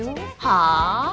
はあ！？